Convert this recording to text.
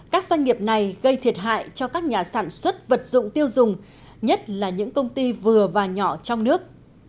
các doanh nghiệp này gây thiệt hại cho các nhà sản xuất vật dụng tiêu dùng nhất là những công ty vừa và nhỏ trong nước